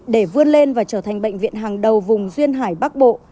để vươn lên và trở thành bệnh viện hàng đầu vùng duyên hải bắc bộ